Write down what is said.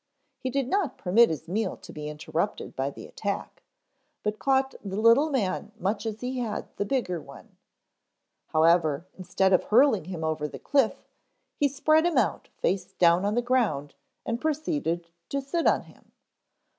He did not permit his meal to be interrupted by the attack, but caught the little man much as he had the bigger one. However, instead of hurling him over the cliff, he spread him out face down on the ground and proceeded to sit on him.